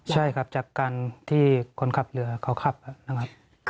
ใช่ครับจากการที่คนขับเรือเขาขับนะครับ